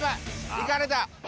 行かれた！